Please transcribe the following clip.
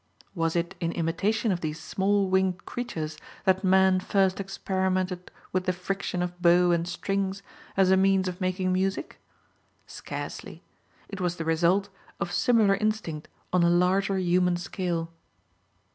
Was it in imitation of these small winged creatures that man first experimented with the friction of bow and strings as a means of making music? Scarcely. It was the result of similar instinct on a larger human scale.